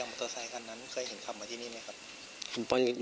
มอเตอร์ไซคันนั้นเคยเห็นขับมาที่นี่ไหมครับ